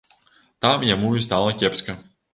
Там яму і стала кепска.